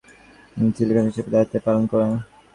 তিনি শল্যচিকিৎসক হিসেবে দায়িত্ব পালন করেন।